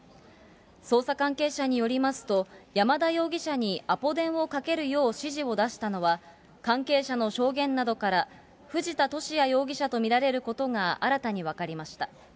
捜査関係者によりますと、山田容疑者にアポ電をかけるよう指示を出したのは、関係者の証言などから藤田聖也容疑者と見られることが新たに分かりました。